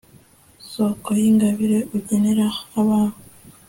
soko y'ingabire ugenera abawe